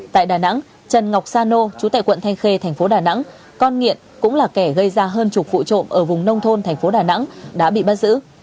tại đà nẵng trần ngọc sa nô chú tại quận thanh khê thành phố đà nẵng con nghiện cũng là kẻ gây ra hơn chục vụ trộm ở vùng nông thôn thành phố đà nẵng đã bị bắt giữ